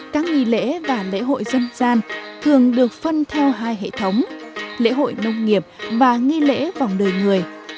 các nghi lễ và lễ hội dân gian thường được phân theo hai hệ thống lễ hội nông nghiệp và nghi lễ vòng đời người